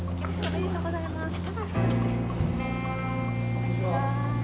こんにちは。